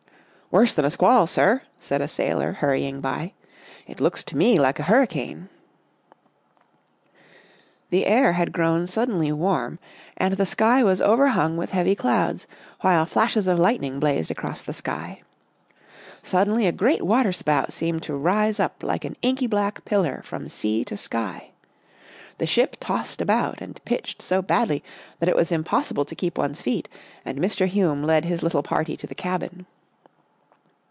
" Worse than a squall, sir," said a sailor, hurrying by. " It looks to me like a hurricane." The air had grown suddenly warm and the 10 Our Little Australian Cousin sky was overhung with heavy clouds, while flashes of lightning blazed across the sky. Sud denly a great waterspout seemed to rise up like an inky black pillar from sea to sky. The ship tossed about and pitched so badly that it was impossible to keep one's feet and Mr. Hume led his little party to the cabin.